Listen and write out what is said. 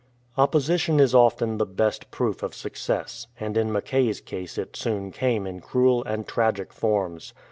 Opposition is often the best proof of success, and in Mackay's case it soon came in cruel and tragic forms.